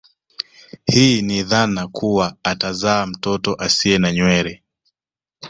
Hii ni dhana kuwa atazaa mtoto asie na nywele